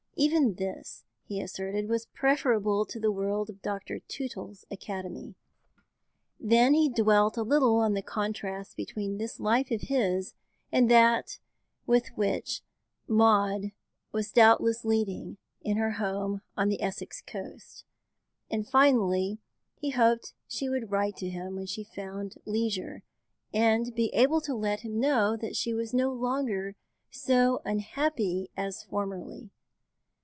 Even this, he asserted, was preferable to the world of Dr. Tootle's Academy. Then he dwelt a little on the contrast between this life of his and that which Maud was doubtless leading in her home on the Essex coast; and finally he hoped she would write to him when she found leisure, and be able to let him know that she was no longer so unhappy as formerly.